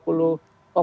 untuk mengamankan gitu ya